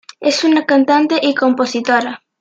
Es una cantante y compositora.